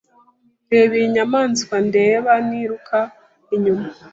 Reba iyi nyamaswa ndeba niruka inyuma